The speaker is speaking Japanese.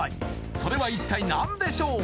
それは一体何でしょう？